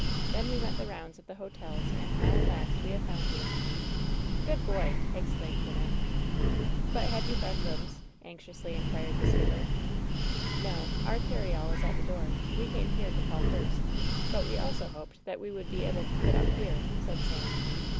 Then we went the rounds of the hotels and now at last we have found you." "Good boy I'' exclaimed Wynnette. "But have you found rooms ?" anxiously inquired the old skipper. "No. Our carryall is at the door. We came here to call first, but we also hoped that we would be able to put up here," said Sam.